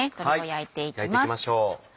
焼いていきましょう。